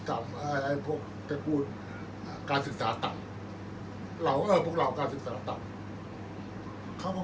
อันไหนที่มันไม่จริงแล้วอาจารย์อยากพูด